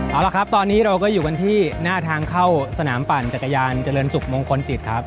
เอาละครับตอนนี้เราก็อยู่กันที่หน้าทางเข้าสนามปั่นจักรยานเจริญสุขมงคลจิตครับ